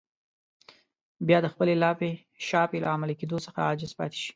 بيا د خپلې لاپې شاپې له عملي کېدو څخه عاجز پاتې شي.